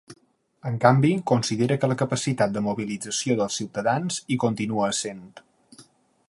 En canvi, considera que la capacitat de mobilització dels ciutadans hi continua essent.